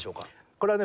これはね